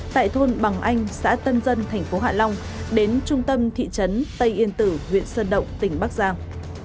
tại thôn bằng anh xã tân dân thành phố hạ long đến trung tâm thị trấn tây yên tử huyện sơn động tỉnh bắc giang